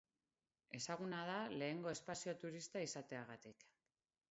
Ezaguna da lehenengo espazio-turista izateagatik.